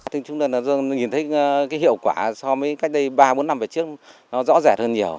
nhưng chúng tôi nhìn thấy cái hiệu quả so với cách đây ba bốn năm về trước nó rõ rệt hơn nhiều